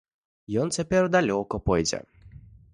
Ён цяпер далёка пойдзе.